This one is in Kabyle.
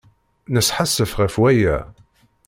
Nesḥassef ɣef waya.